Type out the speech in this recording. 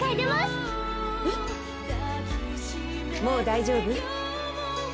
もう大丈夫？